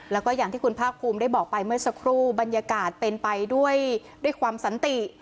แล้วก็อย่างที่คุณภาคภูมิได้บอกไปเมื่อสักครู่บรรยากาศเป็นไปด้วยความสันติ